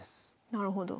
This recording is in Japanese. なるほど。